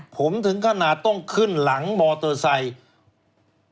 ผมถึงขนาดต้องขึ้นหลังมอเตอร์ไซค์